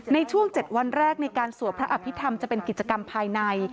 ในช่วง๗วันแรกในการสวดพระอภิษฐรรมจะเป็นกิจกรรมภายใน